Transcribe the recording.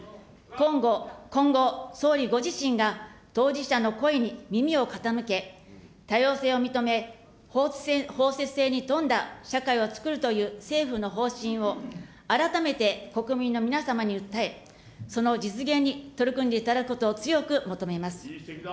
今後、総理ご自身が当事者の声に耳を傾け、多様性を認め、包摂性に富んだ社会をつくるという政府の方針を改めて国民の皆様に訴え、その実現に取り組んでいただくことを強く求めます。